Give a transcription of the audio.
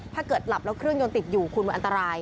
ถ้าเกิดหลับแล้วเครื่องยนต์ติดอยู่คุณมันอันตราย